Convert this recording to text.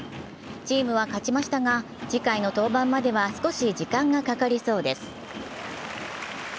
チームは勝ちましたが次回の登板までは少し時間がかかりそうです。